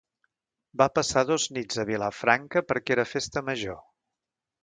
Va passar dos nits a Vilafranca perquè era festa major